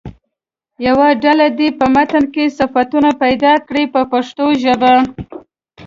یوه ډله دې په متن کې صفتونه پیدا کړي په پښتو ژبه.